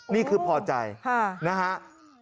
นี่คือพ่อใจนะครับ